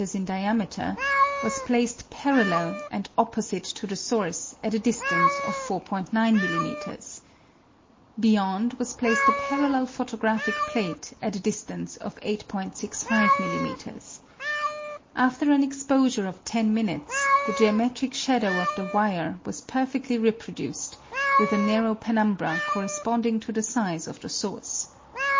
in diameter, was placed parallel and opposite to the source at a distance of 4 9 m.m. Beyond was placed a parallel photographic plate at a dis tance of 865 m.m. After an exposure of ten minutes, the geometric shadow of the wire was perfedly reproduced, with a narrow penumbra corresponding to the size of the source.